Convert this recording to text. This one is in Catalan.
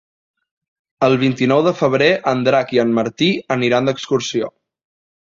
El vint-i-nou de febrer en Drac i en Martí aniran d'excursió.